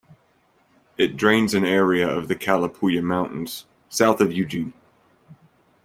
It drains an area of the Calapooya Mountains south of Eugene.